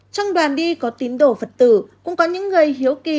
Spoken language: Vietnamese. trong đoàn đi có tín đồ phật tử cũng có những người hiếu kỳ